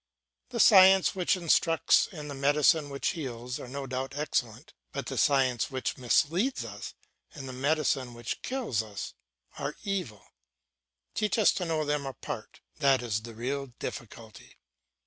The science which instructs and the medicine which heals are no doubt excellent, but the science which misleads us and the medicine which kills us are evil. Teach us to know them apart. That is the real difficulty.